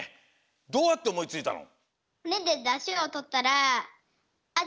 どうやっておもいついたの？